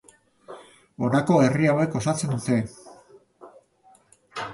Honako herri hauek osatzen dute.